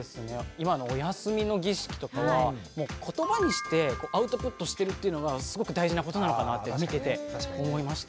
今のおやすみの儀式とかは言葉にしてアウトプットしてるっていうのがすごく大事なことなのかなって見てて思いましたね。